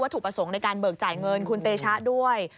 ถูกประสงค์ในการเบิกจ่ายเงินคุณเตชะด้วย